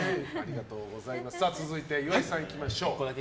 続いて、岩井さんいきましょう。